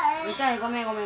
ごめんごめん。